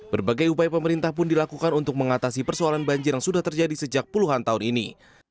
berbagai upaya pemerintah pun dilakukan untuk mengatasi persoalan banjir yang sudah terjadi sejak puluhan tahun ini